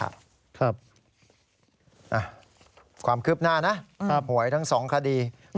ครับความเคืบหน้านะหวยทั้งสองคดีพอละ